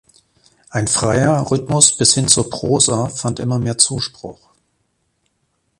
Ein freier Rhythmus bis hin zur Prosa fand immer mehr Zuspruch.